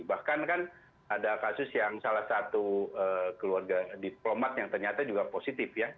bahkan kan ada kasus yang salah satu keluarga diplomat yang ternyata juga positif ya